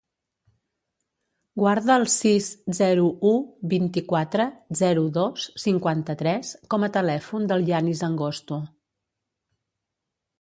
Guarda el sis, zero, u, vint-i-quatre, zero, dos, cinquanta-tres com a telèfon del Yanis Angosto.